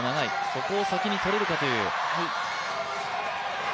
そこを先に取れるかという。